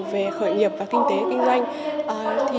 về khởi nghiệp và kinh tế kinh doanh